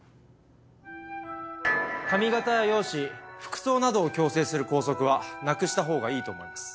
髪形や容姿服装などを強制する校則はなくしたほうがいいと思います。